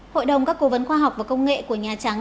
hội đồng các cố vấn khoa học và công nghệ của nhà trắng